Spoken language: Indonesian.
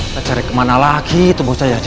kita cari kemana lagi tuh gue mau cari aja disini